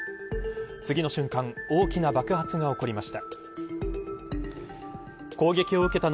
次の瞬間大きな爆発が起こりました。